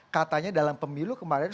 katanya dalam pemilu kemarin